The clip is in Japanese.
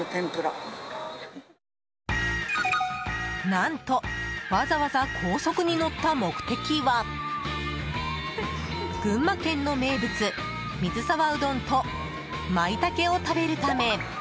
何とわざわざ高速に乗った目的は群馬県の名物、水沢うどんとマイタケを食べるため。